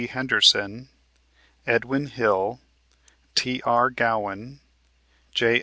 Henderson, Edwin Hill, T.R. Gowan, J.